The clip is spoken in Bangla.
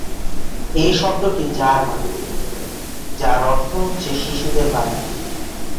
এ শব্দটি জার্মান, যার অর্থ হচ্ছে "শিশুদের বাগান"।